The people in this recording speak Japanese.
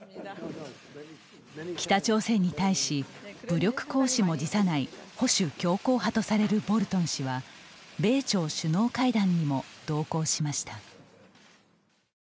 北朝鮮に対し武力行使も辞さない保守強硬派とされるボルトン氏は米朝首脳会談にも同行しました。